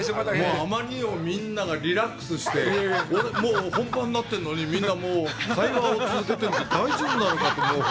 余りにもみんながリラックスして、もう本番なってるのにみんな、もう会話を続けているので、大丈夫なのかって。